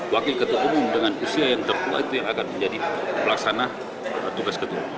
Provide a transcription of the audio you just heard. wakil ketua umum dengan usia yang tertua itu yang akan menjadi pelaksana tugas ketua umum